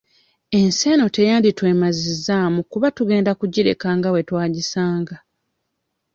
Ensi eno teyanditwemazizaamu kuba tugenda kugireka nga bwe twagisanga.